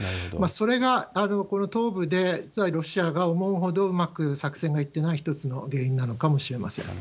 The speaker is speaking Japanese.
それがこの東部で、実はロシアが思うほどうまく作戦がいってない一つの原因なのかもしれません。